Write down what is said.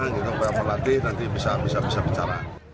kita berlatih nanti bisa bicara